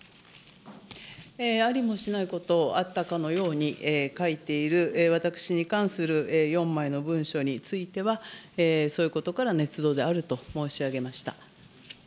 ありもしないこと、あったかのように書いている、私に関する４枚の文書については、そういうことからねつ造であると申し上げました。